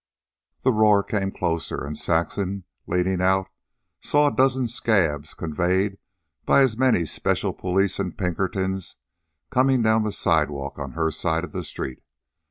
The roar came closer, and Saxon, leaning out, saw a dozen scabs, conveyed by as many special police and Pinkertons, coming down the sidewalk on her side of the street.